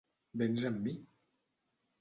vens amb mi?